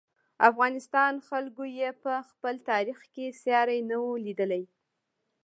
افغانستان خلکو یې په خپل تاریخ کې ساری نه و لیدلی.